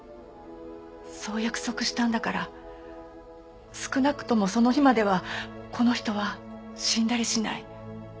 そう約束したんだから少なくともその日まではこの人は死んだりしない。